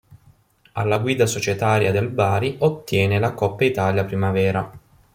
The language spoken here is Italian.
Alla guida societaria del Bari ottiene la Coppa Italia Primavera.